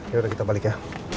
yaudah kita balik ya